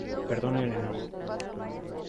perdone el enojo .